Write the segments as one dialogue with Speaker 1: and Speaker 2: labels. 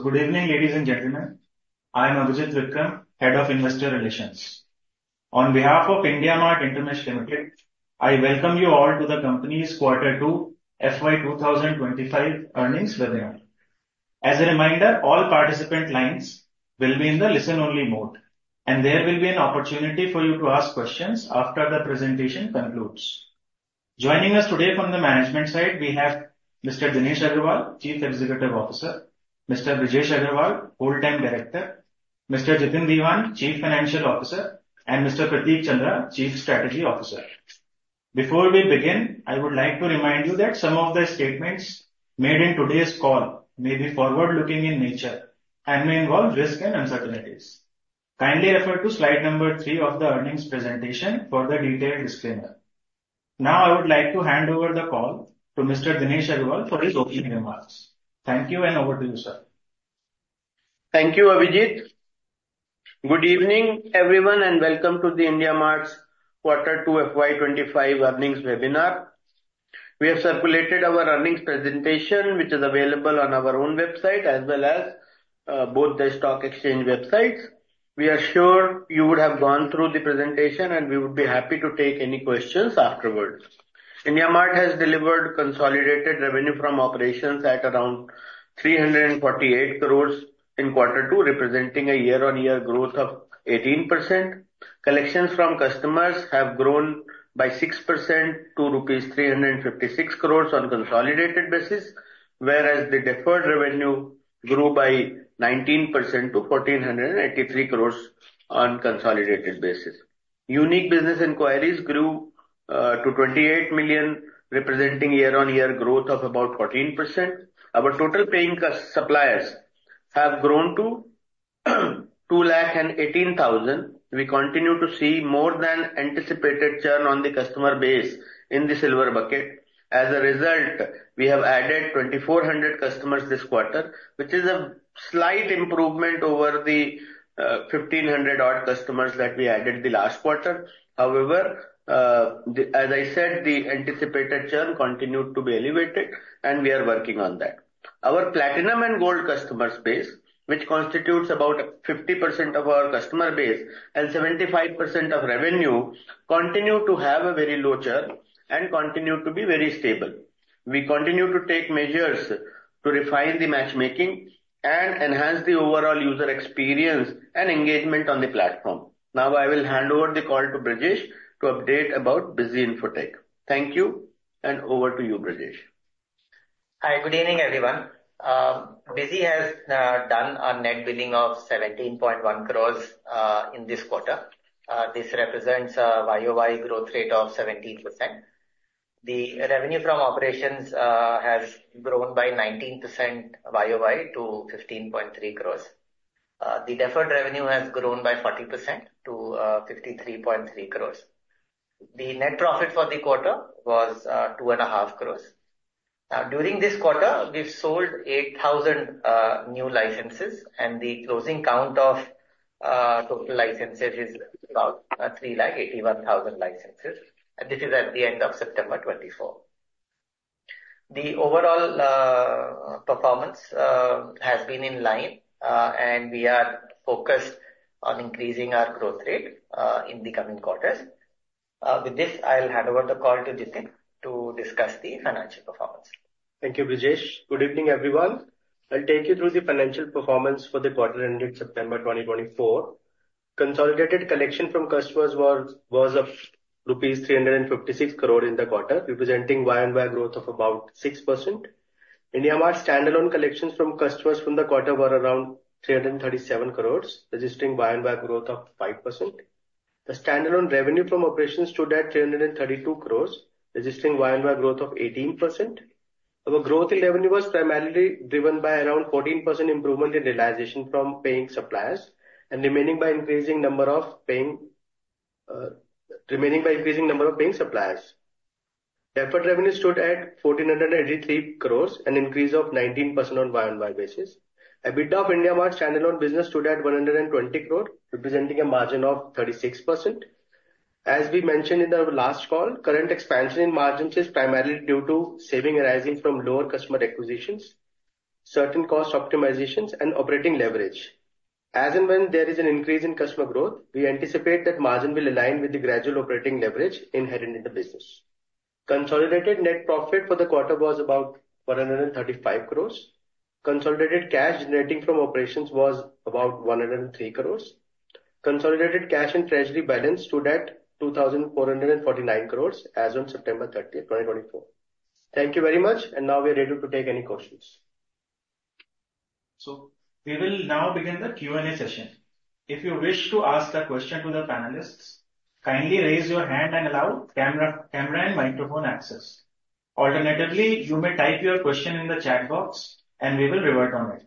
Speaker 1: ...So good evening, ladies and gentlemen. I'm Avijit Vikram, Head of Investor Relations. On behalf of IndiaMART InterMESH Ltd, I welcome you all to the company's Quarter Two, FY 2025 Earnings Webinar. As a reminder, all participant lines will be in the listen-only mode, and there will be an opportunity for you to ask questions after the presentation concludes. Joining us today from the management side, we have Mr. Dinesh Agarwal, Chief Executive Officer, Mr. Brijesh Agrawal, Whole-Time Director, Mr. Jitin Diwan, Chief Financial Officer, and Mr. Prateek Chandra, Chief Strategy Officer. Before we begin, I would like to remind you that some of the statements made in today's call may be forward-looking in nature and may involve risks and uncertainties. Kindly refer to slide number three of the earnings presentation for the detailed disclaimer. Now, I would like to hand over the call to Mr. Dinesh Agarwal for his opening remarks. Thank you, and over to you, sir.
Speaker 2: Thank you, Avijit. Good evening, everyone, and welcome to the IndiaMART's Quarter Two FY 2025 Earnings Webinar. We have circulated our earnings presentation, which is available on our own website as well as both the stock exchange websites. We are sure you would have gone through the presentation, and we would be happy to take any questions afterwards. IndiaMART has delivered consolidated revenue from operations at around 348 crores in quarter two, representing a year-on-year growth of 18%. Collections from customers have grown by 6% to rupees 356 crores on consolidated basis, whereas the deferred revenue grew by 19% to 1,483 crores on consolidated basis. Unique business enquiries grew to 28 million, representing year-on-year growth of about 14%. Our total paying suppliers have grown to 2 lakh and 18 thousand. We continue to see more than anticipated churn on the customer base in the Silver bucket. As a result, we have added 2,400 customers this quarter, which is a slight improvement over the 1,500-odd customers that we added the last quarter. However, as I said, the anticipated churn continued to be elevated, and we are working on that. Our Platinum and Gold customer base, which constitutes about 50% of our customer base and 75% of revenue, continue to have a very low churn and continue to be very stable. We continue to take measures to refine the matchmaking and enhance the overall user experience and engagement on the platform. Now, I will hand over the call to Brijesh to update about BUSY Infotech. Thank you, and over to you, Brijesh.
Speaker 3: Hi, good evening, everyone. BUSY has done a net billing of 17.1 crores in this quarter. This represents a YoY growth rate of 17%. The revenue from operations has grown by 19% YoY to 15.3 crores. The deferred revenue has grown by 40% to 53.3 crores. The net profit for the quarter was 2.5 crores. Now, during this quarter, we've sold 8,000 new licenses, and the closing count of total licenses is about 3 lakh 81,000 licenses, and this is at the end of September 2024. The overall performance has been in line, and we are focused on increasing our growth rate in the coming quarters. With this, I'll hand over the call to Jitin to discuss the financial performance.
Speaker 4: Thank you, Brijesh. Good evening, everyone. I'll take you through the financial performance for the quarter ending September 2024. Consolidated collections from customers was of rupees 356 crore in the quarter, representing YoY growth of about 6%. IndiaMART standalone collections from customers in the quarter were around 337 crore, registering YoY growth of 5%. The standalone revenue from operations stood at 332 crore, registering YoY growth of 18%. Our growth in revenue was primarily driven by around 14% improvement in realization from paying suppliers and remaining by increasing number of paying suppliers. Deferred revenue stood at 1,483 crore, an increase of 19% on YoY basis. EBITDA of IndiaMART standalone business stood at 120 crore, representing a margin of 36%. As we mentioned in our last call, current expansion in margins is primarily due to saving arising from lower customer acquisitions, certain cost optimizations, and operating leverage. As and when there is an increase in customer growth, we anticipate that margin will align with the gradual operating leverage inherent in the business. Consolidated net profit for the quarter was about 135 crores. Consolidated cash generating from operations was about 103 crores. Consolidated cash and treasury balance stood at 2,449 crores as on September 30th, 2024. Thank you very much, and now we are ready to take any questions.
Speaker 1: So we will now begin the Q&A session. If you wish to ask a question to the panelists, kindly raise your hand and allow camera and microphone access. Alternatively, you may type your question in the chat box and we will revert on it.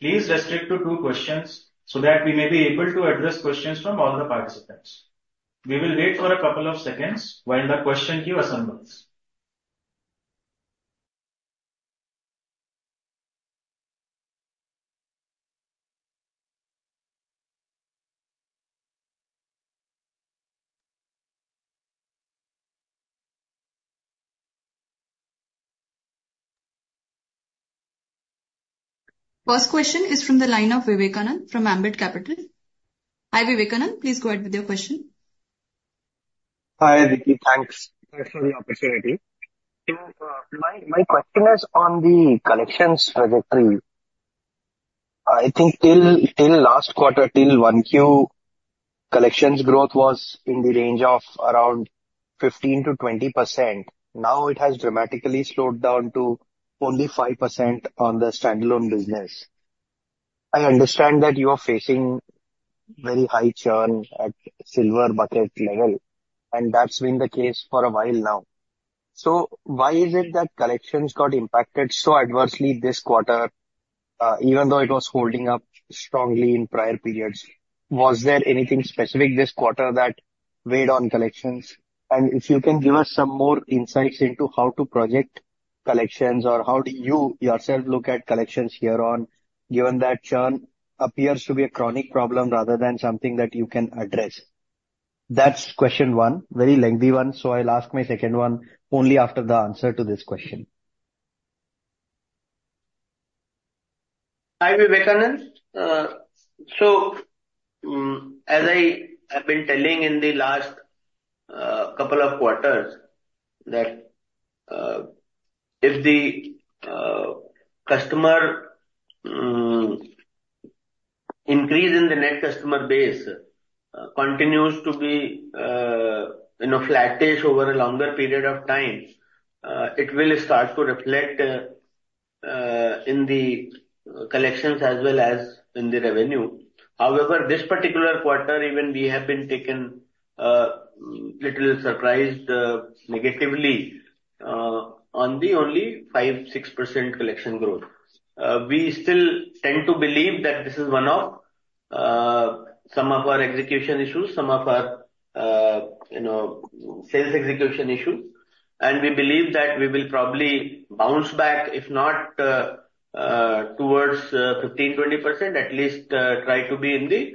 Speaker 1: Please restrict to two questions so that we may be able to address questions from all the participants. We will wait for a couple of seconds while the question queue assembles. ...
Speaker 5: First question is from the line of Vivekanand from Ambit Capital. Hi, Vivekanand, please go ahead with your question.
Speaker 6: Hi, Aditi. Thanks, thanks for the opportunity. So, my question is on the collections trajectory. I think till last quarter, 1Q, collections growth was in the range of around 15%-20%. Now it has dramatically slowed down to only 5% on the standalone business. I understand that you are facing very high churn at silver bucket level, and that's been the case for a while now. So why is it that collections got impacted so adversely this quarter, even though it was holding up strongly in prior periods? Was there anything specific this quarter that weighed on collections? And if you can give us some more insights into how to project collections, or how do you yourself look at collections here on, given that churn appears to be a chronic problem rather than something that you can address? That's question one, very lengthy one, so I'll ask my second one only after the answer to this question.
Speaker 2: Hi, Vivekanand. So, as I have been telling in the last couple of quarters, that if the customer increase in the net customer base continues to be, you know, flattish over a longer period of time, it will start to reflect in the collections as well as in the revenue. However, this particular quarter, even we have been taken little surprised negatively on the only 5%-6% collection growth. We still tend to believe that this is one of some of our execution issues, some of our, you know, sales execution issues. And we believe that we will probably bounce back, if not towards 15%-20%, at least try to be in the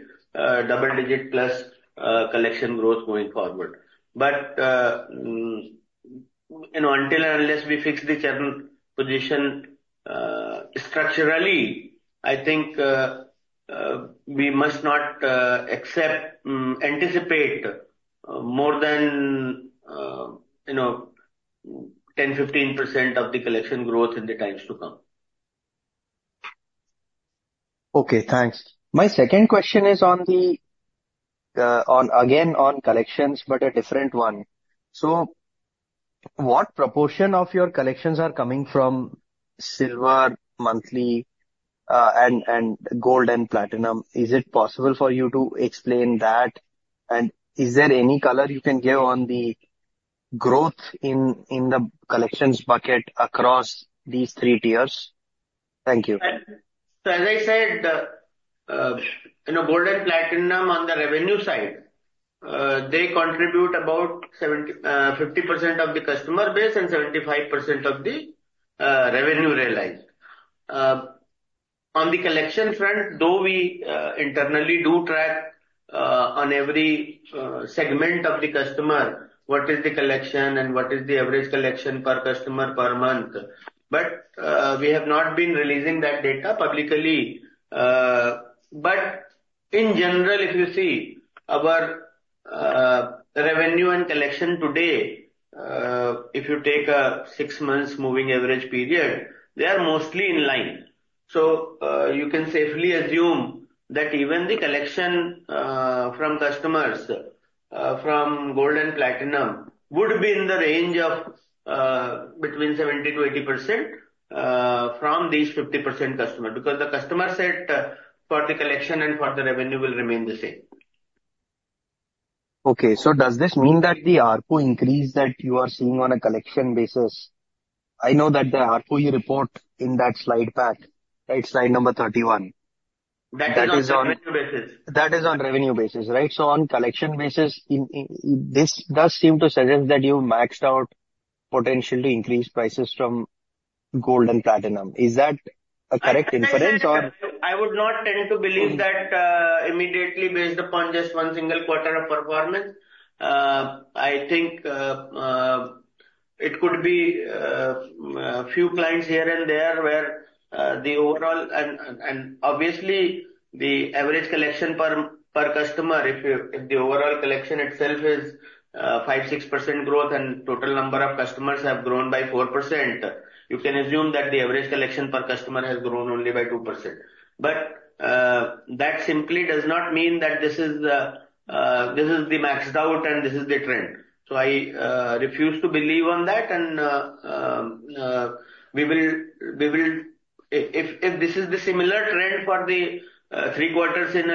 Speaker 2: double digit plus collection growth going forward. But, you know, until or unless we fix the channel position, structurally, I think, we must not anticipate more than, you know, 10%-15% of the collection growth in the times to come.
Speaker 6: Okay, thanks. My second question is on collections again, but a different one. So what proportion of your collections are coming from silver, monthly, and gold and platinum? Is it possible for you to explain that? And is there any color you can give on the growth in the collections bucket across these three tiers? Thank you.
Speaker 2: As I said, you know, gold and platinum on the revenue side, they contribute about 50% of the customer base and 75% of the revenue realized. On the collection front, though we internally do track on every segment of the customer what is the collection and what is the average collection per customer per month, but we have not been releasing that data publicly. But in general, if you see our revenue and collection today, if you take a 6-month moving average period, they are mostly in line. You can safely assume that even the collection from customers from gold and platinum would be in the range of between 70%-80% from these 50% customer because the customer set for the collection and for the revenue will remain the same.
Speaker 6: Okay. So does this mean that the ARPU increase that you are seeing on a collection basis... I know that the ARPU you report in that slide pack, right, slide number 31.
Speaker 2: That is on revenue basis.
Speaker 6: That is on revenue basis, right? So on collection basis, this does seem to suggest that you maxed out potential to increase prices from gold and platinum. Is that a correct inference or?
Speaker 2: I would not tend to believe that, immediately based upon just one single quarter of performance. I think, it could be a few clients here and there, where the overall... and obviously, the average collection per customer, if the overall collection itself is 5%-6% growth and total number of customers have grown by 4%, you can assume that the average collection per customer has grown only by 2%. But that simply does not mean that this is the maxed out and this is the trend. So I refuse to believe on that and we will... If this is the similar trend for the three quarters in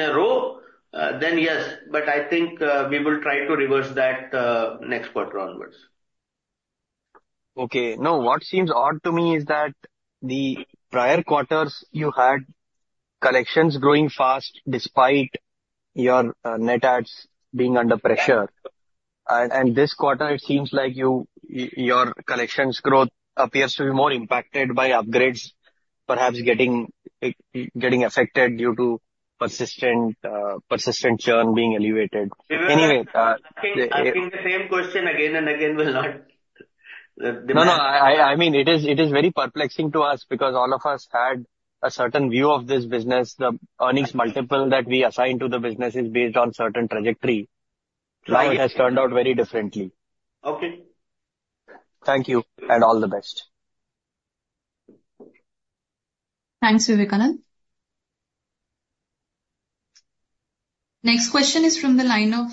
Speaker 2: a row, then yes, but I think we will try to reverse that next quarter onwards.
Speaker 6: Okay. Now, what seems odd to me is that the prior quarters you had collections growing fast, despite your net adds being under pressure. And this quarter, it seems like you, your collections growth appears to be more impacted by upgrades, perhaps getting affected due to-... persistent churn being elevated. Anyway, the-
Speaker 2: Asking the same question again and again will not demand-
Speaker 6: No, I mean, it is very perplexing to us because all of us had a certain view of this business. The earnings multiple that we assigned to the business is based on certain trajectory.
Speaker 2: Right.
Speaker 6: Now it has turned out very differently.
Speaker 2: Okay.
Speaker 6: Thank you, and all the best.
Speaker 5: Thanks, Vivekanand. Next question is from the line of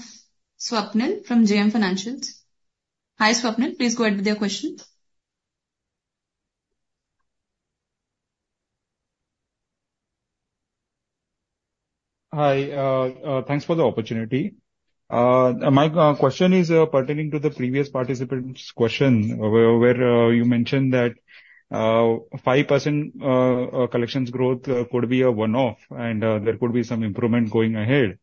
Speaker 5: Swapnil from JM Financial. Hi, Swapnil, please go ahead with your question. Hi, thanks for the opportunity. My question is pertaining to the previous participant's question, where you mentioned that 5% collections growth could be a one-off, and there could be some improvement going ahead.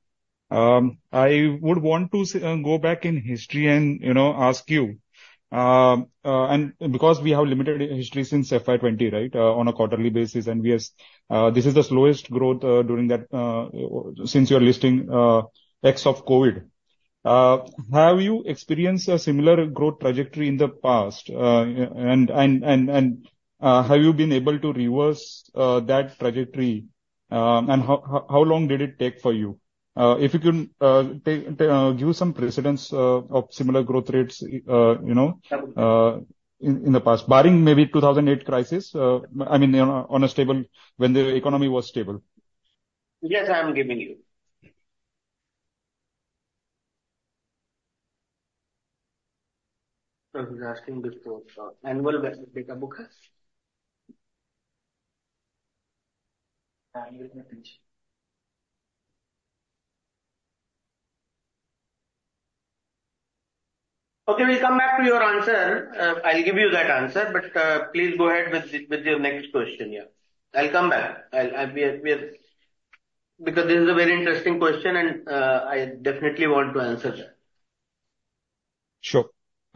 Speaker 5: I would want to go back in history and, you know, ask you, and because we have limited history since FY 2020, right, on a quarterly basis, and we have this is the slowest growth during that since your listing, ex of COVID. Have you experienced a similar growth trajectory in the past? Have you been able to reverse that trajectory? How long did it take for you? If you can give some precedents of similar growth rates, you know.
Speaker 2: Sure. In the past, barring maybe 2008 crisis, I mean, on a stable... when the economy was stable. Yes, I am giving you. So we're asking this for annual data book. Okay, we'll come back to your answer. I'll give you that answer, but please go ahead with your next question, yeah. I'll come back. We... Because this is a very interesting question, and I definitely want to answer that. Sure.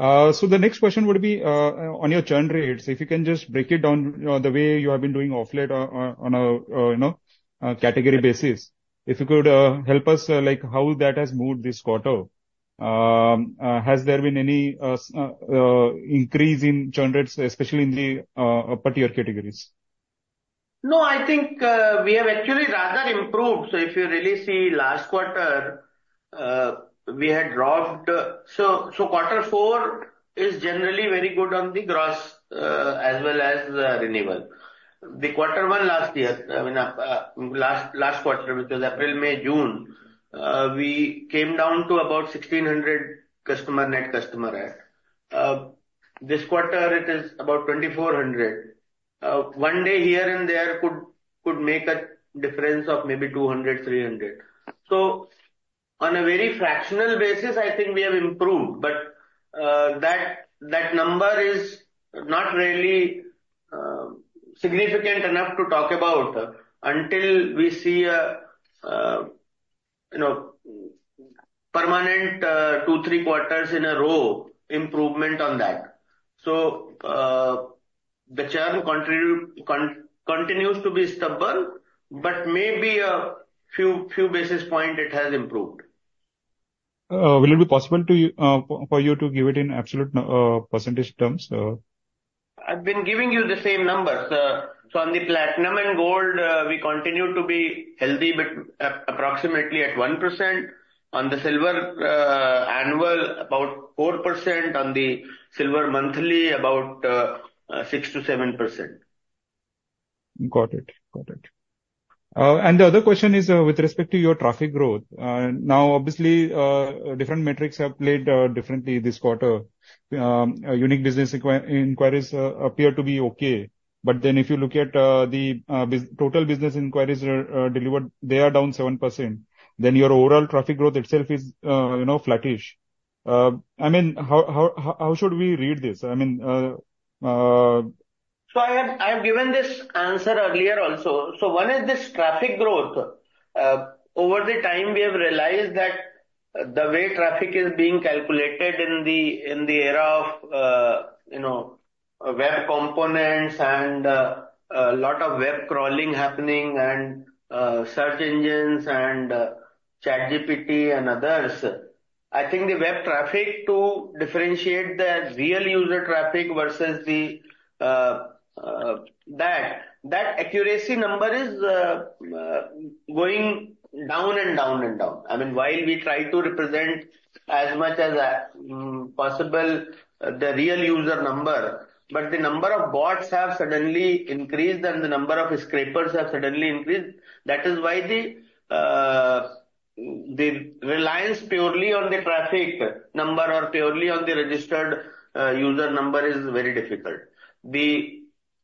Speaker 2: So the next question would be on your churn rates. If you can just break it down, you know, the way you have been doing of late on a category basis. If you could help us, like, how that has moved this quarter, has there been any increase in churn rates, especially in the upper tier categories? No, I think we have actually rather improved. So if you really see last quarter, we had dropped. So quarter four is generally very good on the gross as well as renewal. The quarter one last year, I mean last quarter, which was April, May, June, we came down to about 1,600 net customer adds. This quarter it is about 2,400. One day here and there could make a difference of maybe 200, 300. So on a very fractional basis, I think we have improved, but that number is not really significant enough to talk about until we see a you know permanent two, three quarters in a row improvement on that. The churn continues to be stubborn, but maybe a few basis points it has improved. Will it be possible for you to give it in absolute percentage terms? I've been giving you the same numbers. So on the platinum and gold, we continue to be healthy, but at approximately 1%. On the silver annual, about 4%. On the silver monthly, about 6%-7%. Got it. Got it, and the other question is, with respect to your traffic growth. Now, obviously, different metrics have played differently this quarter. Unique business inquiries appear to be okay, but then if you look at the total business inquiries delivered, they are down 7%. Then your overall traffic growth itself is, you know, flattish. I mean, how should we read this? I mean, So I have given this answer earlier also. One is this traffic growth. Over time, we have realized that the way traffic is being calculated in the era of, you know, web components and a lot of web crawling happening and search engines and ChatGPT and others. I think the web traffic to differentiate the real user traffic versus that accuracy number is going down and down and down. I mean, while we try to represent as much as possible the real user number, but the number of bots have suddenly increased, and the number of scrapers have suddenly increased. That is why the reliance purely on the traffic number or purely on the registered user number is very difficult. The...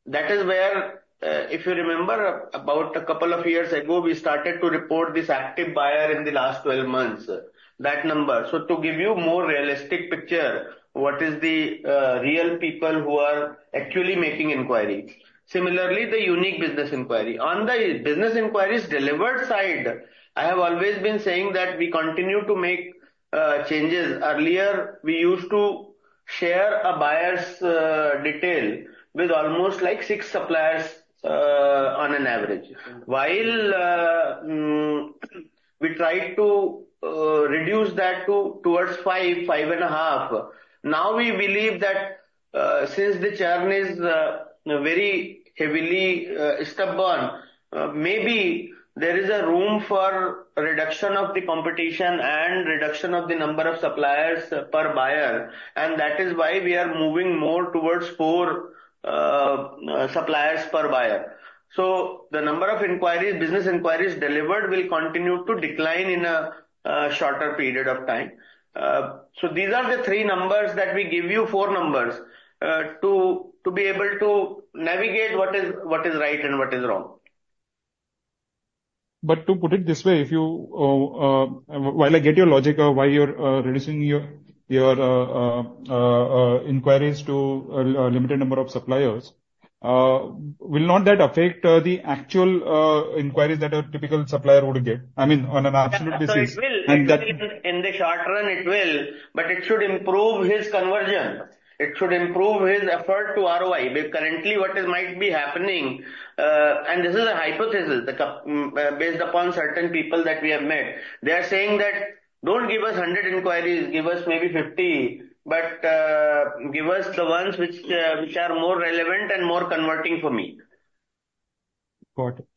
Speaker 2: That is where, if you remember, about a couple of years ago, we started to report this active buyer in the last 12 months, that number. So to give you more realistic picture, what is the, real people who are actually making enquiry. Similarly, the unique business enquiry. On the business inquiries delivered side, I have always been saying that we continue to make, changes. Earlier, we used to share a buyer's, detail with almost like six suppliers, on an average. While, we try to, reduce that to towards five, five and a half, now we believe that, since the churn is, very heavily, stubborn, maybe there is a room for reduction of the competition and reduction of the number of suppliers per buyer, and that is why we are moving more towards four, suppliers per buyer. The number of inquiries, business inquiries delivered, will continue to decline in a shorter period of time. These are the three numbers that we give you, four numbers, to be able to navigate what is right and what is wrong. But to put it this way, while I get your logic of why you're reducing your inquiries to a limited number of suppliers, will not that affect the actual inquiries that a typical supplier would get? I mean, on an absolute basis. Sir, it will. And that- In the short run, it will, but it should improve his conversion. It should improve his effort to ROI, because currently, what might be happening, and this is a hypothesis based upon certain people that we have met. They are saying that, "Don't give us hundred inquiries, give us maybe fifty, but give us the ones which are more relevant and more converting for me. Got it.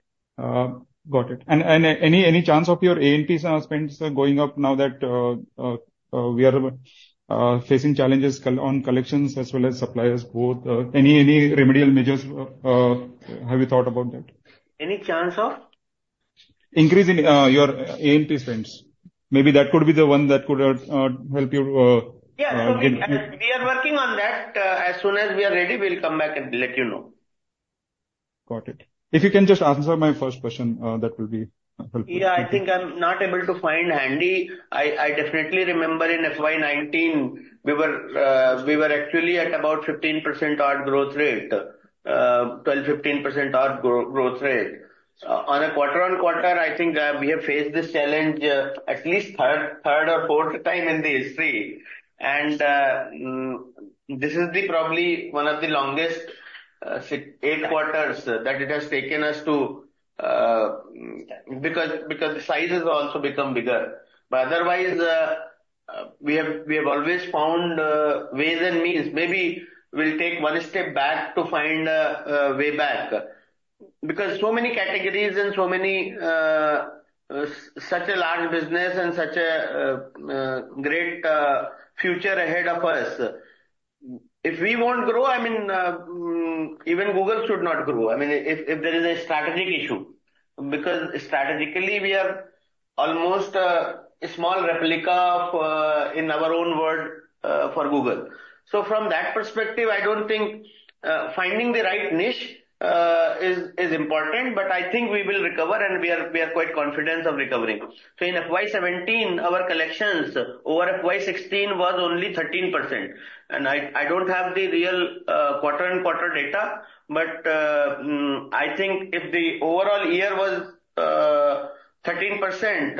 Speaker 2: Got it. And any chance of your ANPs spends going up now that we are facing challenges on collections as well as suppliers both? Any remedial measures have you thought about that? Any chance of? Increasing your ad spends. Maybe that could be the one that could help you. Yeah. We are working on that. As soon as we are ready, we'll come back and let you know. Got it. If you can just answer my first question, that will be helpful. Yeah, I think I'm not able to find handy. I definitely remember in FY 2019, we were actually at about 15% odd growth rate, 12%-15% odd growth rate. On a quarter-on-quarter, I think we have faced this challenge at least third or fourth time in the history. And this is probably one of the longest eight quarters that it has taken us to because the size has also become bigger. But otherwise, we have always found ways and means. Maybe we'll take one step back to find a way back, because so many categories and so many such a large business and such a great future ahead of us, if we won't grow. I mean, even Google should not grow. I mean, if there is a strategic issue, because strategically, we are almost a small replica of in our own world for Google. From that perspective, I don't think finding the right niche is important, but I think we will recover, and we are quite confident of recovering. In FY 2017, our collections over FY 2016 was only 13%, and I don't have the real quarter and quarter data. But I think if the overall year was 13%,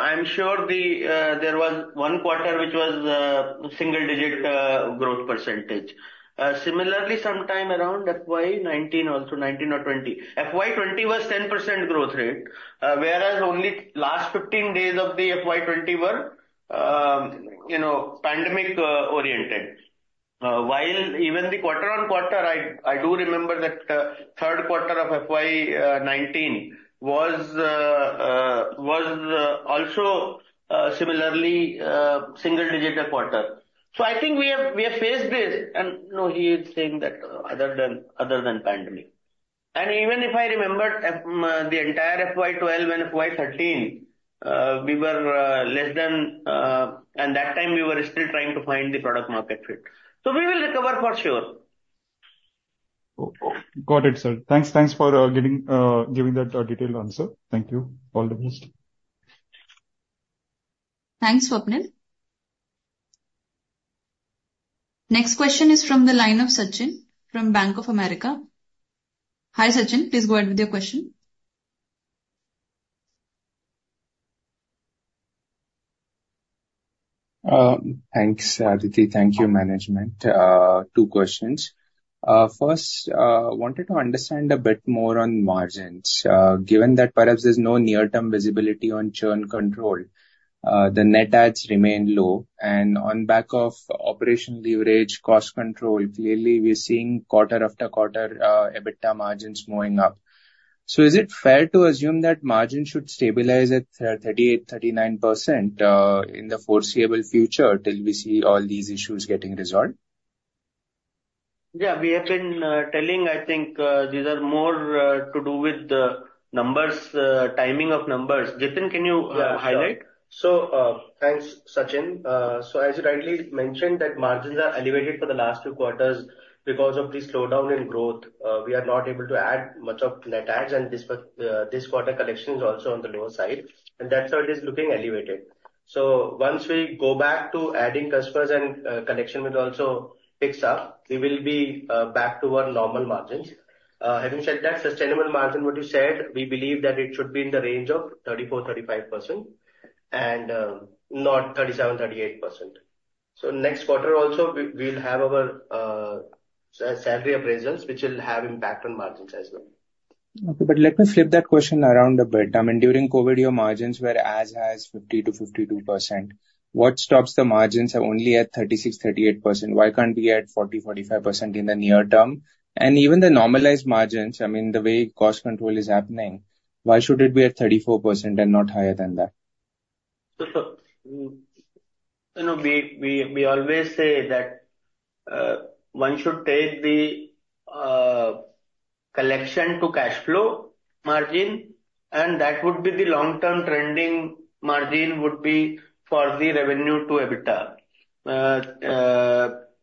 Speaker 2: I'm sure there was one quarter which was single digit growth percentage. Similarly, sometime around FY 2019, also 2019 or 2020. FY 2020 was 10% growth rate, whereas only last 15 days of the FY 2020 were, you know, pandemic oriented. While even the quarter on quarter, I do remember that third quarter of FY 2019 was also similarly single digit quarter. So I think we have faced this and... No, he is saying that other than pandemic. And even if I remember the entire FY 2012 and FY 2013, we were less than, at that time we were still trying to find the product market fit. So we will recover for sure. Oh, got it, sir. Thanks, thanks for giving, giving that detailed answer. Thank you. All the best.
Speaker 5: Thanks, Swapnil. Next question is from the line of Sachin from Bank of America. Hi, Sachin, please go ahead with your question. Thanks, Aditi. Thank you, management. Two questions. First, wanted to understand a bit more on margins. Given that perhaps there's no near-term visibility on churn control, the net adds remain low, and on back of operational leverage, cost control, clearly, we are seeing quarter after quarter, EBITDA margins moving up. So is it fair to assume that margins should stabilize at 38%-39% in the foreseeable future till we see all these issues getting resolved?
Speaker 2: Yeah, we have been telling, I think, these are more to do with the numbers, timing of numbers. Jitin, can you highlight?
Speaker 4: So, thanks, Sachin. So as you rightly mentioned, that margins are elevated for the last two quarters because of the slowdown in growth. We are not able to add much of net adds, and this quarter collection is also on the lower side, and that's how it is looking elevated. So once we go back to adding customers and, collection will also picks up, we will be, back to our normal margins. Having said that, sustainable margin, what you said, we believe that it should be in the range of 34%-35%.... and not 37%-38%. So next quarter also, we'll have our salary appraisals, which will have impact on margins as well. Okay, but let me flip that question around a bit. I mean, during COVID, your margins were as high as 50%-52%. What stops the margins are only at 36%, 38%? Why can't we be at 40%, 45% in the near term? And even the normalized margins, I mean, the way cost control is happening, why should it be at 34% and not higher than that?
Speaker 2: You know, we always say that one should take the collection to cash flow margin, and that would be the long-term trending margin would be for the revenue to EBITDA.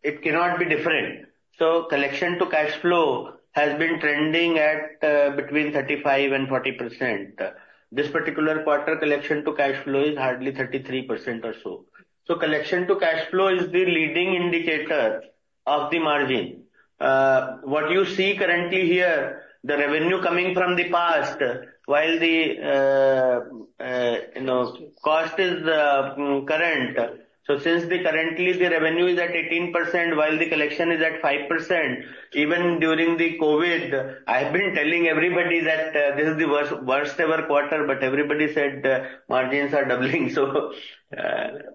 Speaker 2: It cannot be different. So collection to cash flow has been trending at between 35% and 40%. This particular quarter, collection to cash flow is hardly 33% or so. So collection to cash flow is the leading indicator of the margin. What you see currently here, the revenue coming from the past, while the, you know, cost is current. So since the currently the revenue is at 18%, while the collection is at 5%, even during the COVID, I have been telling everybody that this is the worst, worst ever quarter, but everybody said margins are doubling. So... Okay.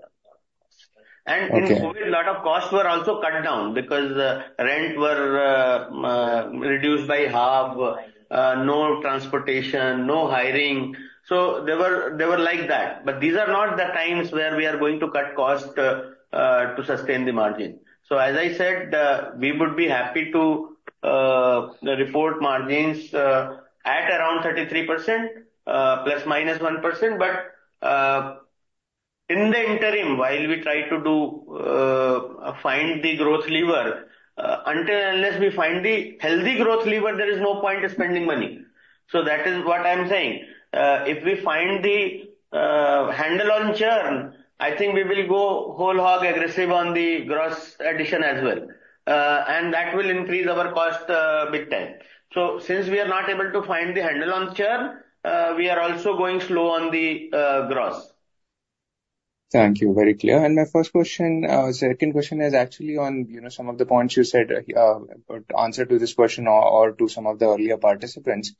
Speaker 2: And in COVID, a lot of costs were also cut down because rent were reduced by half, no transportation, no hiring. So they were like that. But these are not the times where we are going to cut cost to sustain the margin. So as I said, we would be happy to report margins at around 33%, ±1%. But in the interim, while we try to find the growth lever, until unless we find the healthy growth lever, there is no point in spending money. So that is what I'm saying. If we find the handle on churn, I think we will go whole hog aggressive on the gross addition as well. And that will increase our cost big time. So since we are not able to find the handle on churn, we are also going slow on the gross. Thank you. Very clear. And my first question, second question is actually on, you know, some of the points you said, but answer to this question or, or to some of the earlier participants.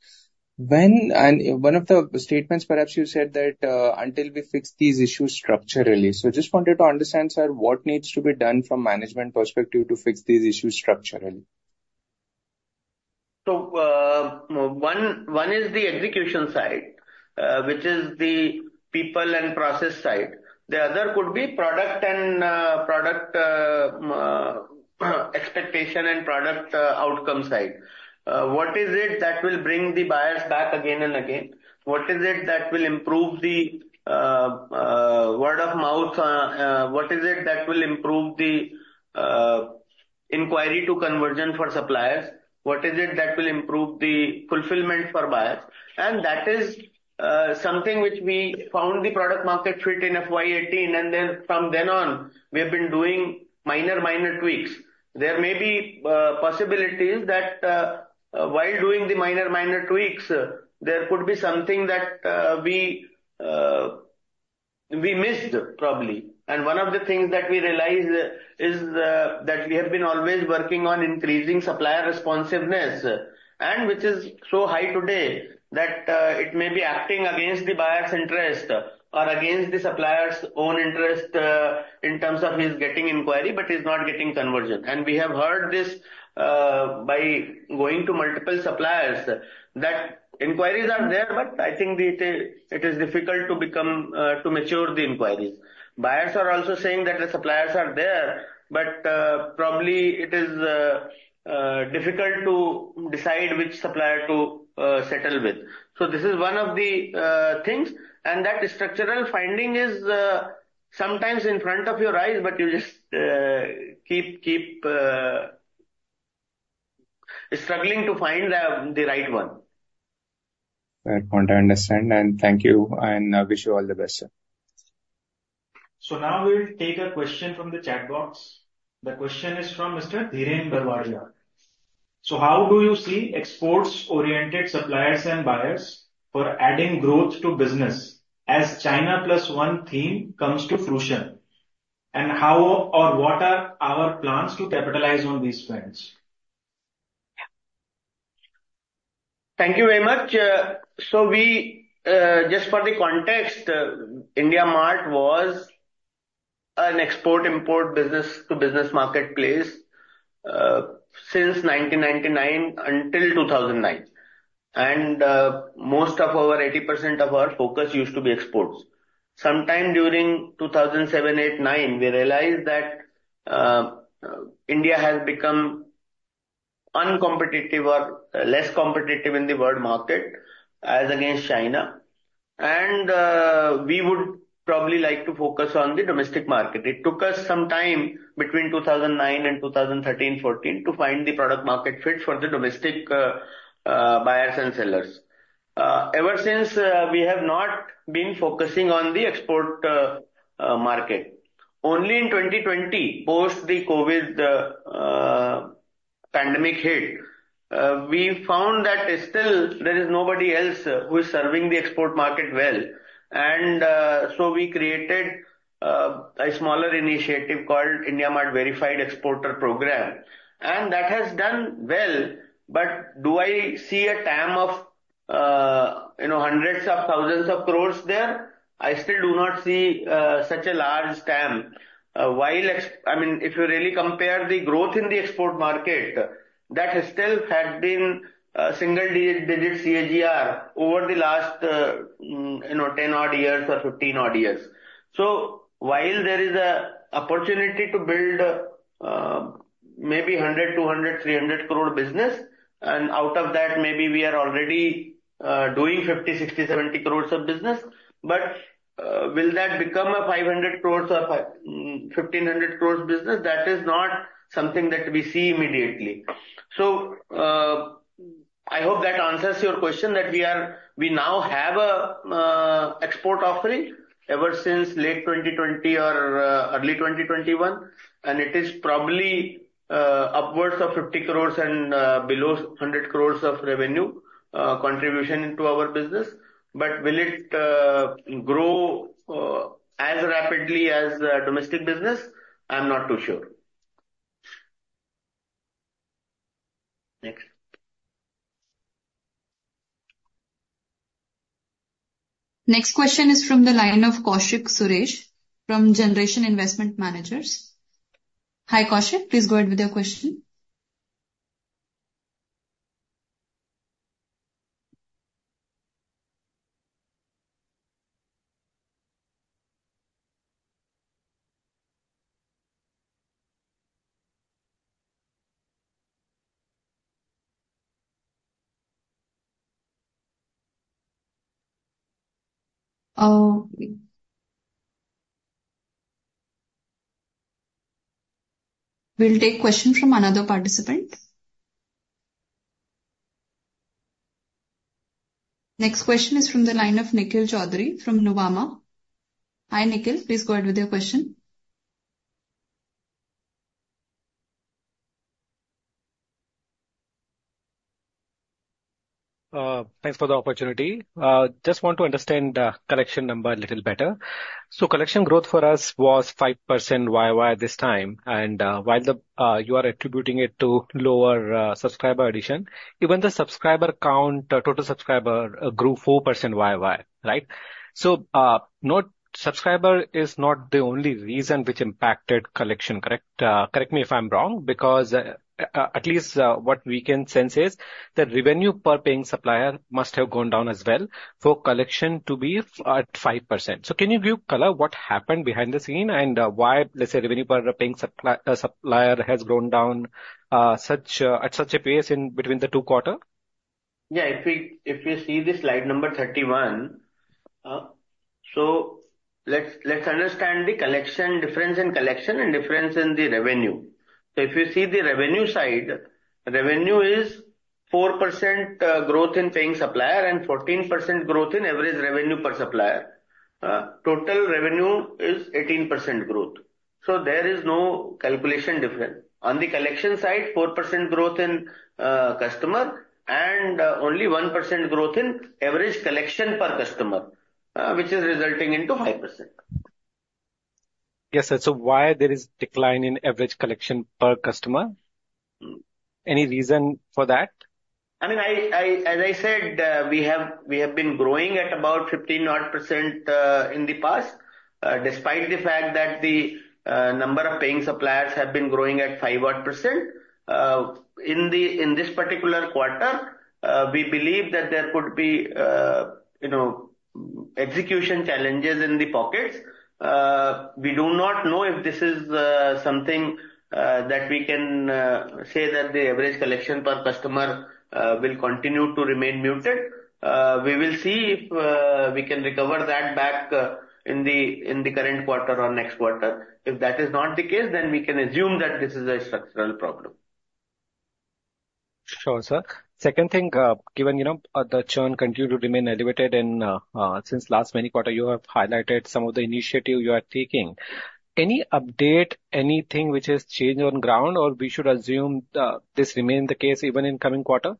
Speaker 2: And one of the statements, perhaps you said that, until we fix these issues structurally. So just wanted to understand, sir, what needs to be done from management perspective to fix these issues structurally? So, one is the execution side, which is the people and process side. The other could be product expectation and product outcome side. What is it that will bring the buyers back again and again? What is it that will improve the word of mouth? What is it that will improve the inquiry to conversion for suppliers? What is it that will improve the fulfillment for buyers? And that is something which we found the product market fit in FY 2018, and then from then on, we have been doing minor tweaks. There may be possibilities that, while doing the minor tweaks, there could be something that we missed, probably. And one of the things that we realized is that we have been always working on increasing supplier responsiveness, and which is so high today that it may be acting against the buyer's interest or against the supplier's own interest, in terms of he's getting inquiry, but he's not getting conversion. And we have heard this by going to multiple suppliers, that inquiries are there, but I think it is difficult to mature the inquiries. Buyers are also saying that the suppliers are there, but probably it is difficult to decide which supplier to settle with. So this is one of the things, and that structural finding is sometimes in front of your eyes, but you just keep struggling to find the right one. That point, I understand, and thank you, and I wish you all the best, sir.
Speaker 1: So now we'll take a question from the chat box. The question is from Mr. Dhiren Barwariya: "So how do you see export-oriented suppliers and buyers for adding growth to business as China Plus One theme comes to fruition? And how or what are our plans to capitalize on these trends?
Speaker 2: Thank you very much. So we just for the context, IndiaMART was an export-import business-to-business marketplace, since 1999 until 2009. And most of our 80% of our focus used to be exports. Sometime during 2007, 2008, 2009, we realized that India has become uncompetitive or less competitive in the world market as against China. And we would probably like to focus on the domestic market. It took us some time, between 2009 and 2013, 2014, to find the product market fit for the domestic buyers and sellers. Ever since we have not been focusing on the export market. Only in 2020, post the COVID. Pandemic hit, we found that still there is nobody else who is serving the export market well. And, so we created, a smaller initiative called IndiaMART Verified Exporter Program, and that has done well. But do I see a TAM of, you know, hundreds of thousands of crores there? I still do not see, such a large TAM. While ex- I mean, if you really compare the growth in the export market, that still had been a single-digit CAGR over the last, you know, 10 odd years or 15 odd years. So while there is a opportunity to build, maybe 100-300 crore business, and out of that, maybe we are already, doing 50 crores-70 crores of business, but, will that become a 500 crores or 1,500 crores business? That is not something that we see immediately. So, I hope that answers your question that we now have a export offering ever since late 2020 or early 2021, and it is probably upwards of 50 crores and below 100 crores of revenue contribution into our business. But will it grow as rapidly as domestic business? I'm not too sure.
Speaker 1: Thanks.
Speaker 5: Next question is from the line of Kaushik Suresh from Generation Investment Management. Hi, Kaushik, please go ahead with your question. We'll take question from another participant. Next question is from the line of Nikhil Choudhary from Nuvama. Hi, Nikhil, please go ahead with your question.
Speaker 7: Thanks for the opportunity. Just want to understand the collection number a little better. So collection growth for us was 5% YY this time, and while you are attributing it to lower subscriber addition, even the subscriber count, total subscriber, grew 4% YY, right? So subscriber is not the only reason which impacted collection, correct? Correct me if I'm wrong, because at least what we can sense is that revenue per paying supplier must have gone down as well for collection to be at 5%. So can you give color what happened behind the scene and why, let's say, revenue per paying supplier has gone down at such a pace in between the two quarter?
Speaker 2: Yeah, if we see the slide number 31, so let's understand the collection, difference in collection and difference in the revenue. So if you see the revenue side, revenue is 4% growth in paying supplier and 14% growth in average revenue per supplier. Total revenue is 18% growth, so there is no calculation difference. On the collection side, 4% growth in customer and only 1% growth in average collection per customer, which is resulting into 5%.
Speaker 7: Yes, sir. So why there is decline in average collection per customer?
Speaker 2: Mm.
Speaker 7: Any reason for that?
Speaker 2: I mean, as I said, we have been growing at about 15% odd in the past, despite the fact that the number of paying suppliers have been growing at 5% odd. In this particular quarter, we believe that there could be, you know, execution challenges in the pockets. We do not know if this is something that we can say that the average collection per customer will continue to remain muted. We will see if we can recover that back in the current quarter or next quarter. If that is not the case, then we can assume that this is a structural problem.
Speaker 7: Sure, sir. Second thing, given, you know, the churn continue to remain elevated and, since last many quarter, you have highlighted some of the initiative you are taking. Any update, anything which has changed on ground, or we should assume, this remain the case even in coming quarter?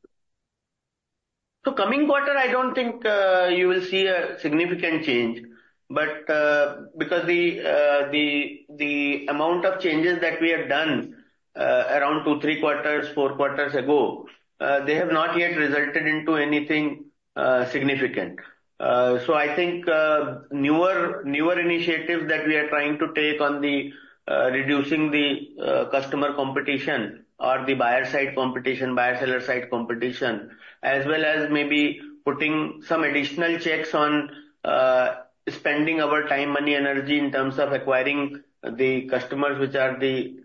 Speaker 2: So, coming quarter, I don't think you will see a significant change, but because the amount of changes that we have done around two, three quarters, four quarters ago, they have not yet resulted into anything significant. So I think newer initiatives that we are trying to take on reducing the customer competition or the buyer side competition, buyer-seller side competition, as well as maybe putting some additional checks on spending our time, money, energy in terms of acquiring the customers, which are the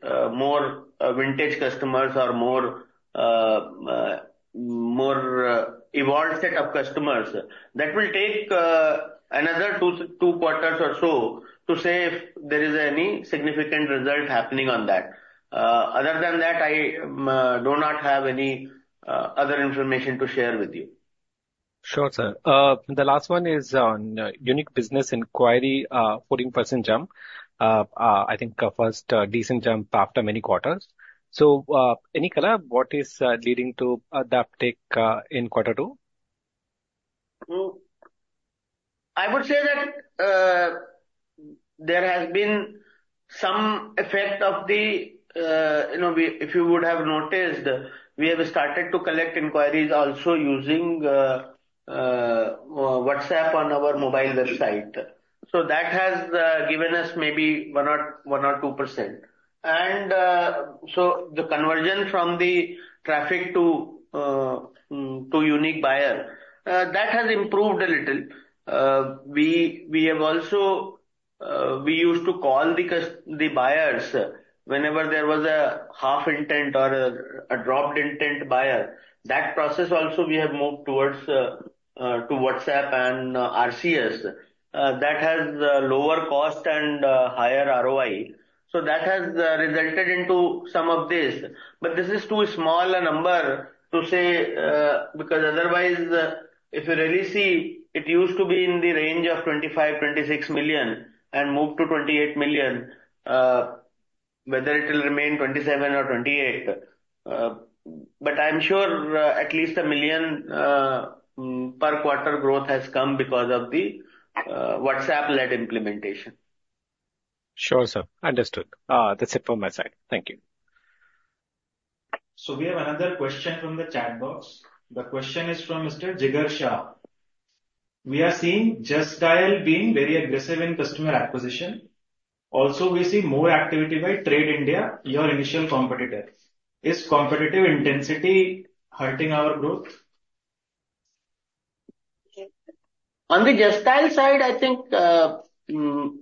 Speaker 2: more evolved set of customers. That will take another two quarters or so to say if there is any significant result happening on that. Other than that, I do not have any other information to share with you....
Speaker 7: Sure, sir. The last one is on unique business inquiry, 14% jump. I think first decent jump after many quarters. So, any color, what is leading to that take in quarter two?
Speaker 2: So I would say that, there has been some effect of the, you know, if you would have noticed, we have started to collect inquiries also using WhatsApp on our mobile website. So that has given us maybe 1%-2%. And so the conversion from the traffic to unique buyer, that has improved a little. We have also, we used to call the buyers whenever there was a half intent or a dropped intent buyer. That process also, we have moved towards to WhatsApp and RCS. That has lower cost and higher ROI, so that has resulted into some of this. But this is too small a number to say, because otherwise, if you really see, it used to be in the range of 25 million-26 million and moved to 28 million, whether it will remain 27 or 28, but I'm sure, at least 1 million per quarter growth has come because of the WhatsApp-led implementation.
Speaker 7: Sure, sir. Understood. That's it from my side. Thank you.
Speaker 1: So we have another question from the chat box. The question is from Mr. Jigar Shah: We are seeing Justdial being very aggressive in customer acquisition. Also, we see more activity by TradeIndia, your initial competitor. Is competitive intensity hurting our growth?
Speaker 2: On the Justdial side, I think,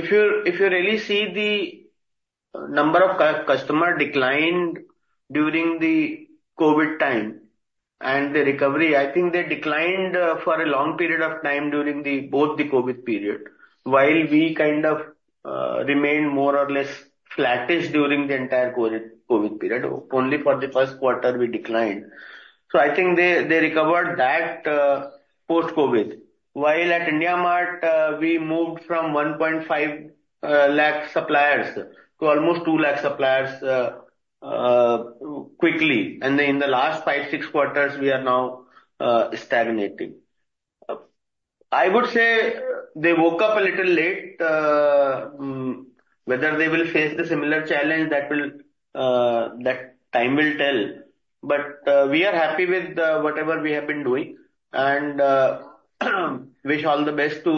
Speaker 2: if you really see the number of customers declined during the COVID time and the recovery, I think they declined for a long period of time during both the COVID period, while we kind of remained more or less flattish during the entire COVID period, only for the first quarter we declined. So I think they recovered that post-COVID. While at IndiaMART, we moved from 1.5 lakh suppliers to almost 2 lakh suppliers quickly. And in the last five, six quarters, we are now stagnating. I would say they woke up a little late, whether they will face the similar challenge. That time will tell. We are happy with whatever we have been doing and wish all the best to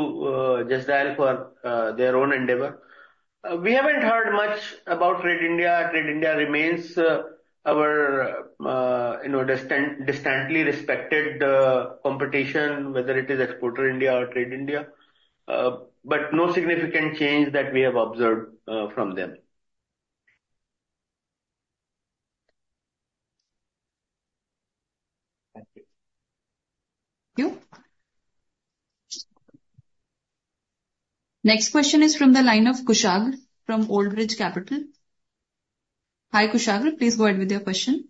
Speaker 2: Justdial for their own endeavor. We haven't heard much about TradeIndia. TradeIndia remains our you know distant distantly respected competition, whether it is Exporters India or TradeIndia, but no significant change that we have observed from them.
Speaker 1: Thank you.
Speaker 5: Thank you. Next question is from the line of Kushagra, from Old Bridge Capital. Hi, Kushagra, please go ahead with your question.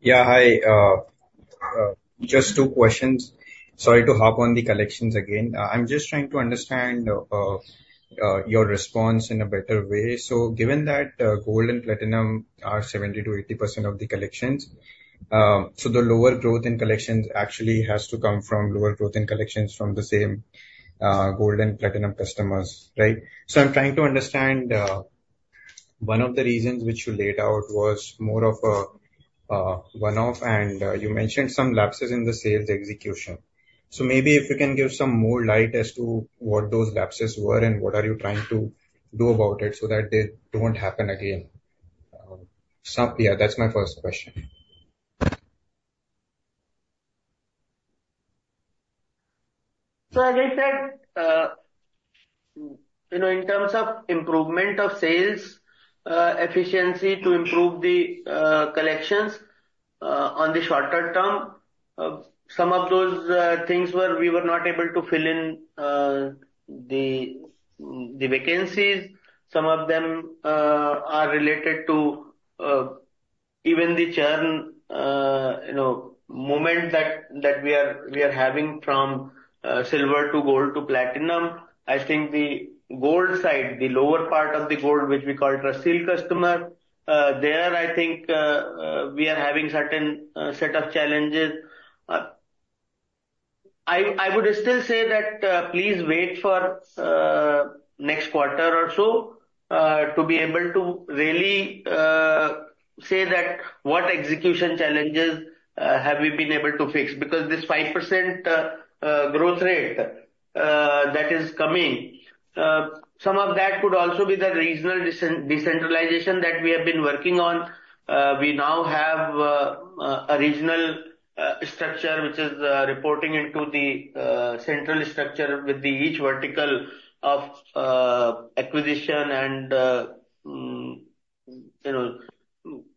Speaker 8: Yeah, hi. Just two questions. Sorry to hop on the collections again. I'm just trying to understand your response in a better way. So given that gold and platinum are 70%-80% of the collections, so the lower growth in collections actually has to come from lower growth in collections from the same gold and platinum customers, right? So I'm trying to understand one of the reasons which you laid out was more of a one-off, and you mentioned some lapses in the sales execution. So maybe if you can give some more light as to what those lapses were, and what are you trying to do about it so that they don't happen again? So, yeah, that's my first question.
Speaker 2: So as I said, you know, in terms of improvement of sales efficiency to improve the collections on the shorter term, some of those things were, we were not able to fill in the vacancies. Some of them are related to even the churn, you know, movement that we are having from silver to gold to platinum. I think the gold side, the lower part of the gold, which we call TrustSEAL customer, there I think we are having certain set of challenges. I would still say that please wait for next quarter or so to be able to really say that what execution challenges have we been able to fix? Because this 5%, growth rate, that is coming, some of that could also be the regional decentralization that we have been working on. We now have a regional structure, which is reporting into the central structure with the each vertical of acquisition and, you know,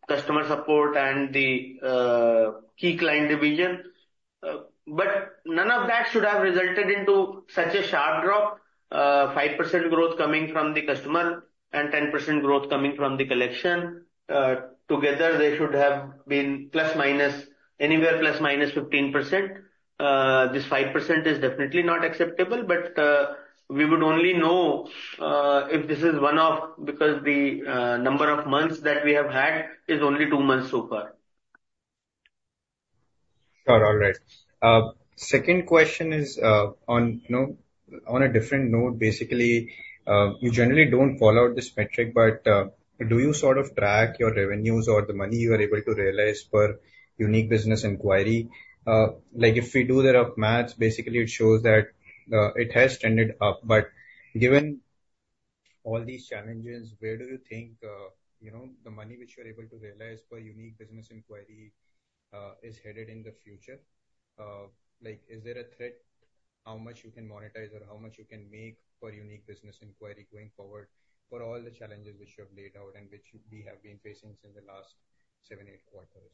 Speaker 2: customer support and the key client division. But none of that should have resulted into such a sharp drop. 5% growth coming from the customer and 10% growth coming from the collection. Together, they should have been plus minus, anywhere ±15%. This 5% is definitely not acceptable, but we would only know if this is one-off, because the number of months that we have had is only two months so far.
Speaker 8: Sure. All right. Second question is, on, you know, on a different note, basically, you generally don't call out this metric, but, do you sort of track your revenues or the money you are able to realize per unique business inquiry? Like, if we do the rough maths, basically it shows that, it has trended up, but given all these challenges, where do you think, you know, the money which you are able to realize per unique business inquiry, is headed in the future? Like, is there a threat, how much you can monetize or how much you can make per unique business inquiry going forward for all the challenges which you have laid out and which we have been facing since the last seven, eight quarters?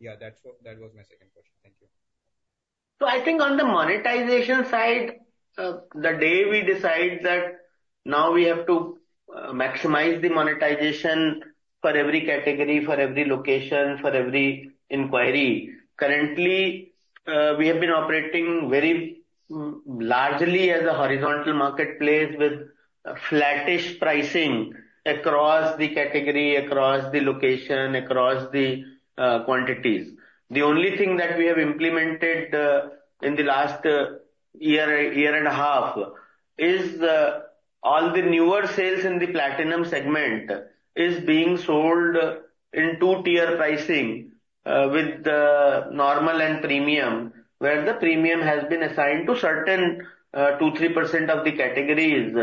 Speaker 8: Yeah, that's what, that was my second question. Thank you.
Speaker 2: So I think on the monetization side, the day we decide that now we have to maximize the monetization for every category, for every location, for every inquiry. Currently, we have been operating very largely as a horizontal marketplace with flattish pricing across the category, across the location, across the quantities. The only thing that we have implemented in the last year, year and a half, is all the newer sales in the platinum segment is being sold in two-tier pricing with the normal and premium, where the premium has been assigned to certain 2%-3% of the categories,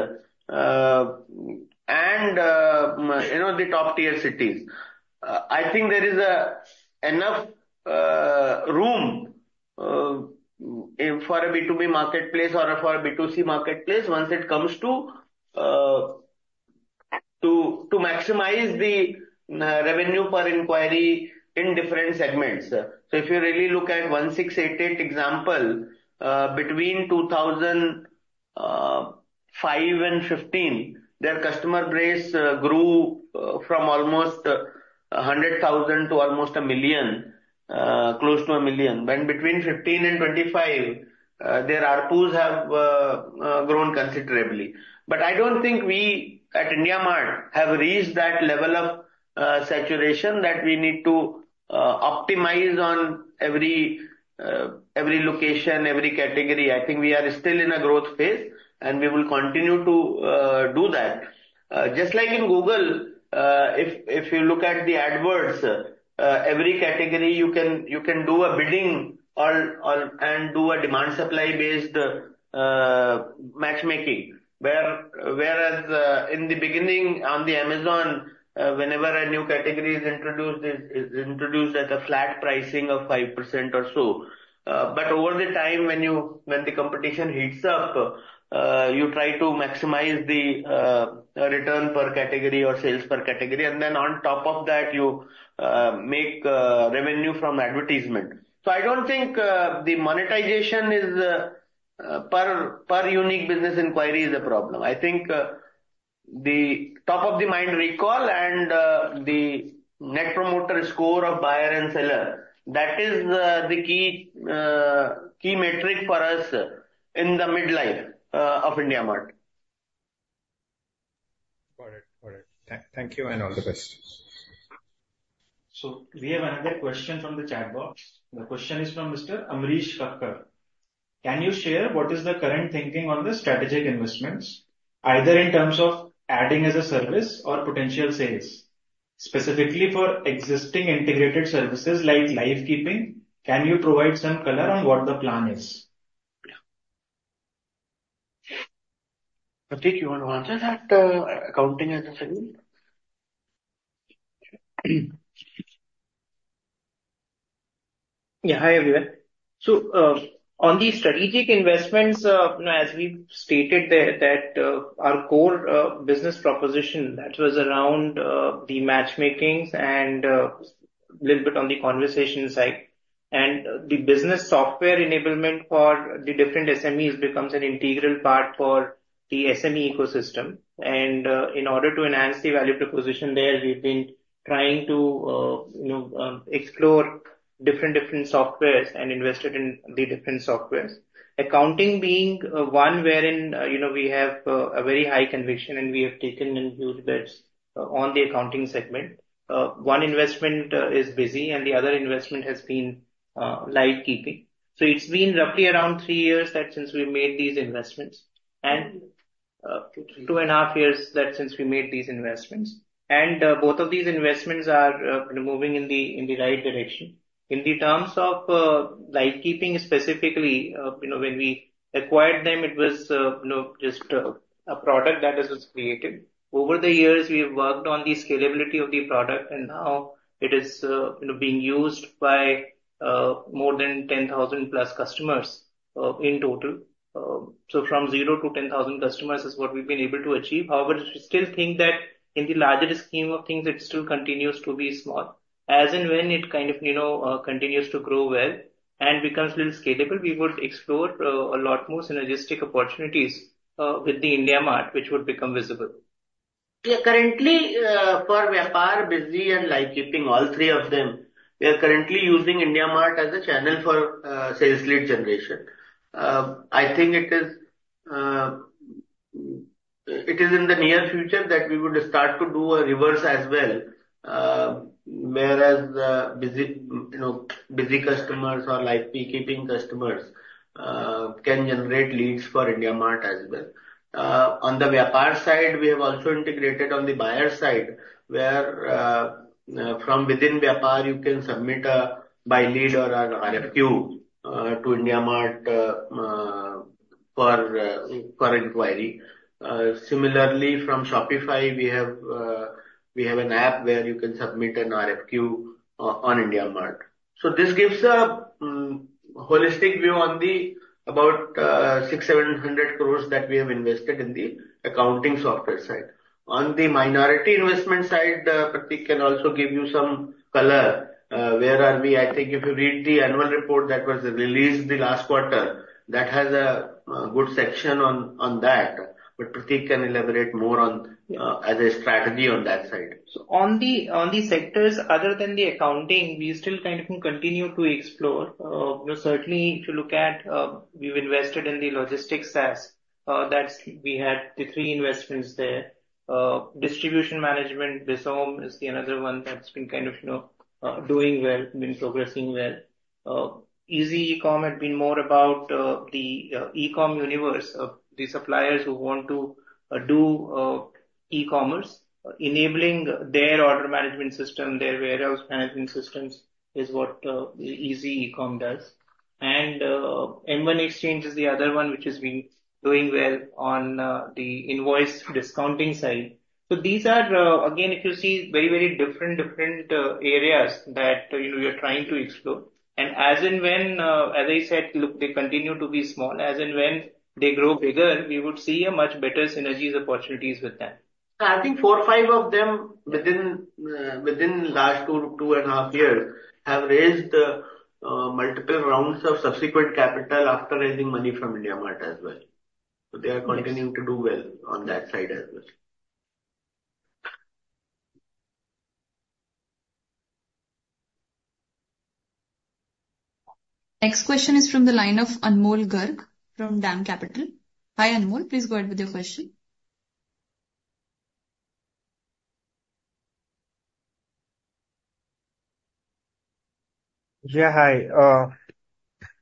Speaker 2: and you know, the top-tier cities. I think there is enough room for a B2B marketplace or for a B2C marketplace once it comes to maximize the revenue per inquiry in different segments. So if you really look at 1688 example, between 2005 and 2015, their customer base grew from almost a hundred thousand to almost a million, close to a million. When between 2015 and 2025, their ARPUs have grown considerably. But I don't think we at IndiaMART have reached that level of saturation that we need to optimize on every location, every category. I think we are still in a growth phase, and we will continue to do that. Just like in Google, if you look at the AdWords, every category you can do a bidding on, and do a demand supply-based matchmaking. Whereas in the beginning on the Amazon, whenever a new category is introduced at a flat pricing of 5% or so, but over the time, when the competition heats up, you try to maximize the return per category or sales per category, and then on top of that, you make revenue from advertisement, so I don't think the monetization is per unique business inquiry a problem. I think the top-of-mind recall and the Net Promoter Score of buyer and seller, that is the key metric for us in the main line of IndiaMART.
Speaker 8: Got it. Got it. Thank you, and all the best.
Speaker 1: We have another question from the chat box. The question is from Mr. Amrish Kakkar: Can you share what is the current thinking on the strategic investments, either in terms of adding as a service or potential sales? Specifically for existing integrated services like Livekeeping, can you provide some color on what the plan is?
Speaker 2: Prateek, you want to answer that, accounting as a service?
Speaker 9: Yeah. Hi, everyone. So, on the strategic investments, you know, as we've stated there, that, our core business proposition, that was around the matchmakings and little bit on the conversation side. And the business software enablement for the different SMEs becomes an integral part for the SME ecosystem. And, in order to enhance the value proposition there, we've been trying to, you know, explore different softwares and invested in the different softwares. Accounting being one wherein, you know, we have a very high conviction, and we have taken in huge bets on the accounting segment. One investment is BUSY, and the other investment has been Livekeeping. So it's been roughly around three years that since we made these investments, and two and a half years that since we made these investments. Both of these investments are moving in the right direction. In terms of Livekeeping specifically, you know, when we acquired them, it was, you know, just a product that was just created. Over the years, we have worked on the scalability of the product, and now it is, you know, being used by more than 10,000+ customers in total. So from zero to 10,000 customers is what we've been able to achieve. However, we still think that in the larger scheme of things, it still continues to be small. As and when it kind of, you know, continues to grow well and becomes little scalable, we would explore a lot more synergistic opportunities with the IndiaMART, which would become visible.
Speaker 2: Currently, for Vyapar, BUSY and Livekeeping, all three of them, we are currently using IndiaMART as a channel for sales lead generation. I think it is in the near future that we would start to do a reverse as well, whereas BUSY, you know, BUSY customers or Livekeeping customers can generate leads for IndiaMART as well. On the Vyapar side, we have also integrated on the buyer side, where from within Vyapar, you can submit a lead or an RFQ to IndiaMART for inquiry. Similarly, from Shopify, we have an app where you can submit an RFQ on IndiaMART. So this gives a holistic view of the about 600 crores-700 crores that we have invested in the accounting software side. On the minority investment side, Prateek can also give you some color. I think if you read the annual report that was released the last quarter, that has a good section on that, but Prateek can elaborate more on as a strategy on that side.
Speaker 9: So on the sectors other than the accounting, we still kind of continue to explore. But certainly, if you look at, we've invested in the logistics as, that's we had the three investments there. Distribution management, Bizom, is the another one that's been kind of, you know, doing well, been progressing well. EasyEcom had been more about, the e-com universe of the suppliers who want to do e-commerce. Enabling their order management system, their warehouse management systems, is what EasyEcom does. And, M1xchange is the other one, which has been doing well on the invoice discounting side. So these are, again, if you see, very different areas that, you know, we are trying to explore. As I said, look, they continue to be small. As and when they grow bigger, we would see a much better synergies opportunities with them.
Speaker 2: I think four or five of them, within last two and a half years, have raised multiple rounds of subsequent capital after raising money from IndiaMART as well.
Speaker 9: Yes.
Speaker 2: So they are continuing to do well on that side as well.
Speaker 5: Next question is from the line of Anmol Garg, from DAM Capital. Hi, Anmol, please go ahead with your question.
Speaker 10: Yeah, hi.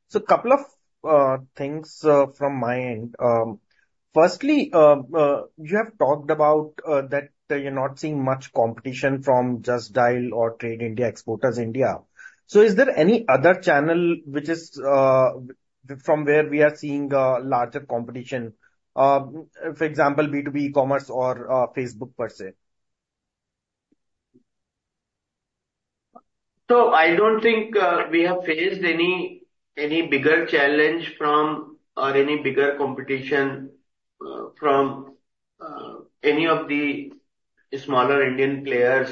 Speaker 10: So a couple of things from my end. Firstly, you have talked about that you're not seeing much competition from Justdial or TradeIndia, Exporters India. So is there any other channel which is from where we are seeing larger competition? For example, B2B, e-commerce or Facebook, per se.
Speaker 2: I don't think we have faced any bigger challenge from or any bigger competition from any of the smaller Indian players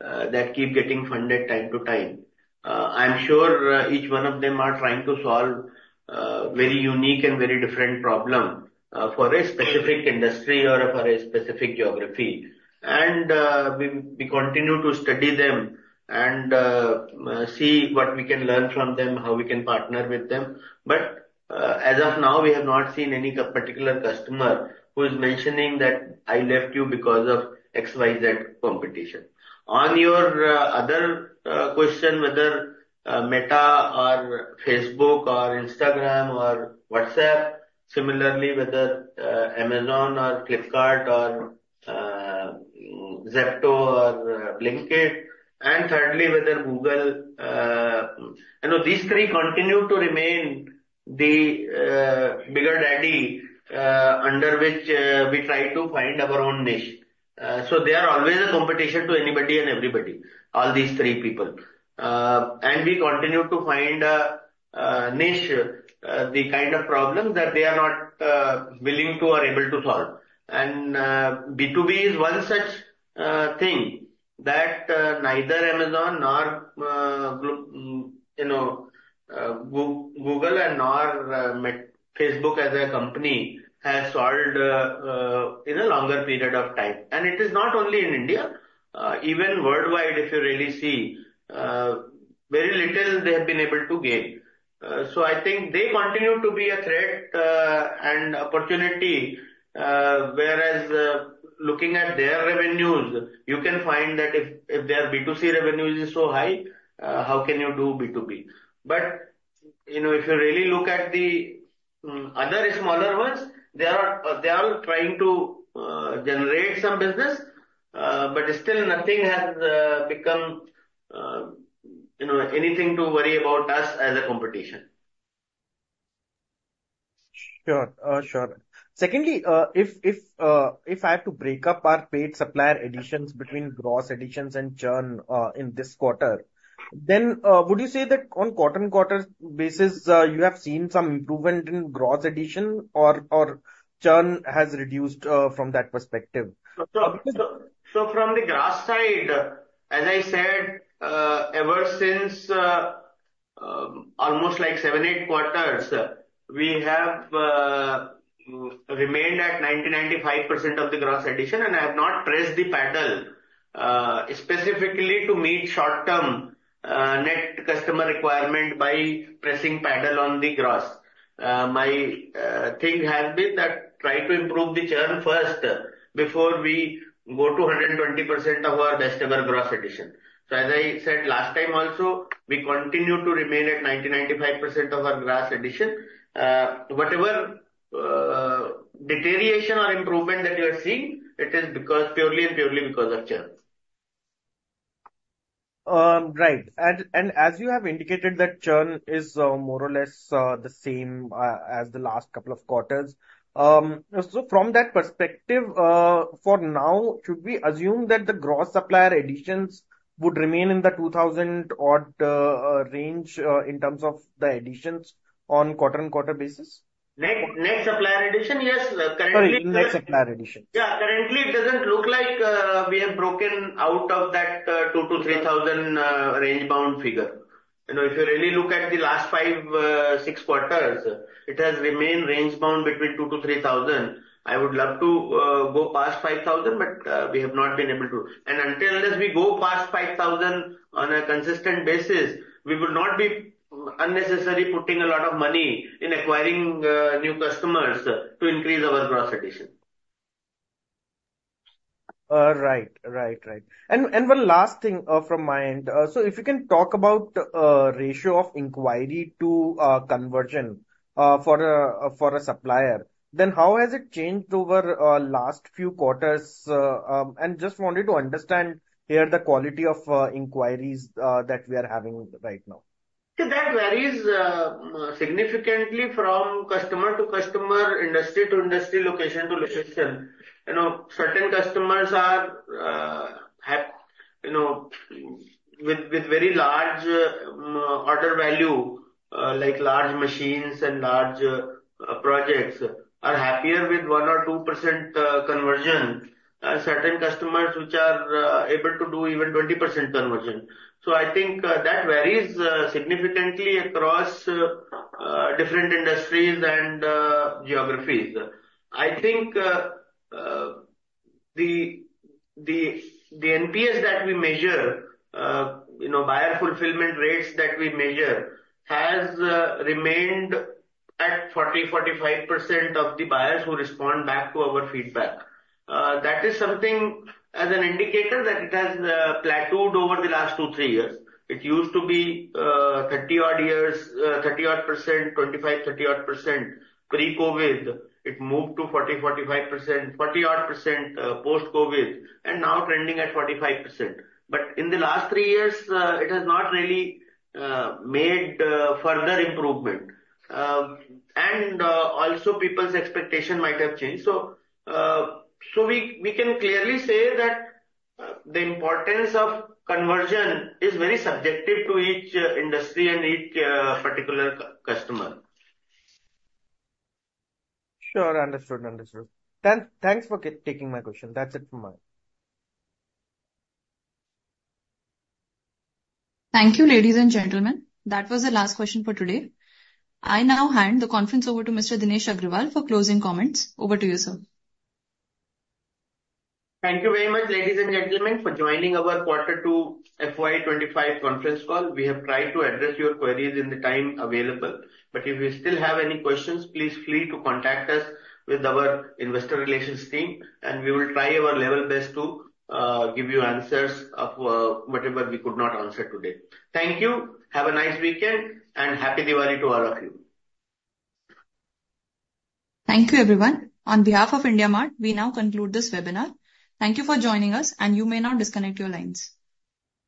Speaker 2: that keep getting funded time to time. I'm sure each one of them are trying to solve very unique and very different problem for a specific industry or for a specific geography. And we continue to study them and see what we can learn from them, how we can partner with them. But as of now, we have not seen any particular customer who is mentioning that I left you because of XYZ competition. On your other question, whether Meta or Facebook or Instagram or WhatsApp, similarly, whether Amazon or Flipkart or Zepto or Blinkit, and thirdly, whether Google. You know, these three continue to remain the bigger daddy under which we try to find our own niche. So they are always a competition to anybody and everybody, all these three people. And we continue to find a niche, the kind of problem that they are not willing to or able to solve. And B2B is one such thing that neither Amazon nor Google nor Meta Facebook as a company has solved in a longer period of time. And it is not only in India even worldwide, if you really see very little they have been able to gain. So I think they continue to be a threat and opportunity, whereas looking at their revenues, you can find that if their B2C revenues is so high, how can you do B2B? But you know, if you really look at the other smaller ones, they are all trying to generate some business, but still nothing has become, you know, anything to worry about us as a competition.
Speaker 10: Sure. Sure. Secondly, if I had to break up our paid supplier additions between gross additions and churn in this quarter, then would you say that on quarter-on-quarter basis you have seen some improvement in gross addition or churn has reduced from that perspective?
Speaker 2: From the gross side, as I said, ever since almost like seven, eight quarters, we have remained at 90%-95% of the gross addition, and I have not pressed the pedal specifically to meet short-term net customer requirement by pressing pedal on the gross. My thing has been that try to improve the churn first before we go to 120% of our best ever gross addition. As I said last time also, we continue to remain at 90%-95% of our gross addition. Whatever deterioration or improvement that you are seeing, it is because purely because of churn.
Speaker 10: Right. And as you have indicated, that churn is more or less the same as the last couple of quarters. So from that perspective, for now, should we assume that the gross supplier additions would remain in the 2,000 odd range, in terms of the additions on quarter-on-quarter basis?
Speaker 2: Net, net supplier addition? Yes, currently-
Speaker 10: Sorry, net supplier addition.
Speaker 2: Yeah. Currently, it doesn't look like we have broken out of that 2,000-3,000 range-bound figure. You know, if you really look at the last five six quarters, it has remained range-bound between 2,000-3,000. I would love to go past 5,000, but we have not been able to. And until as we go past 5,000 on a consistent basis, we will not be unnecessarily putting a lot of money in acquiring new customers to increase our gross addition.
Speaker 10: Right. Right, right. And, and one last thing from my end. So if you can talk about ratio of inquiry to conversion for a supplier, then how has it changed over last few quarters? And just wanted to understand here the quality of inquiries that we are having right now.
Speaker 2: So that varies significantly from customer to customer, industry to industry, location to location. You know, certain customers are happy with very large order value, like large machines and large projects, are happier with 1% or 2% conversion. Certain customers which are able to do even 20% conversion. So I think that varies significantly across different industries and geographies. I think the NPS that we measure, you know, buyer fulfillment rates that we measure, has remained at 40%-45% of the buyers who respond back to our feedback. That is something as an indicator that it has plateaued over the last two, three years. It used to be 30-odd percent, 25, thirty-odd percent pre-COVID. It moved to 40%-45%, 40-odd percent, post-COVID, and now trending at 45%. But in the last three years, it has not really made further improvement. And also people's expectation might have changed. So we can clearly say that the importance of conversion is very subjective to each industry and each particular customer.
Speaker 10: Sure. Understood. Thanks for taking my question. That's it from my end.
Speaker 5: Thank you, ladies and gentlemen. That was the last question for today. I now hand the conference over to Mr. Dinesh Agarwal for closing comments. Over to you, sir.
Speaker 2: Thank you very much, ladies and gentlemen, for joining our Quarter Two FY 2025 Conference Call. We have tried to address your queries in the time available, but if you still have any questions, please feel free to contact us with our investor relations team, and we will try our level best to give you answers of whatever we could not answer today. Thank you. Have a nice weekend, and Happy Diwali to all of you!
Speaker 5: Thank you, everyone. On behalf of IndiaMART, we now conclude this webinar. Thank you for joining us, and you may now disconnect your lines.